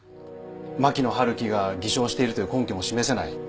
牧野春樹が偽証しているという根拠も示せない。